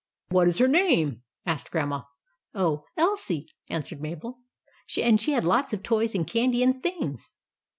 " What is her name ?" said Grandma. " Oh, Elsie," answered Mabel ;" and she has lots of toys and candy and things."